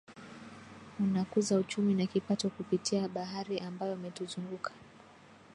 Hunakuza uchumi na kipato kupitia bahari ambayo imetuzunguka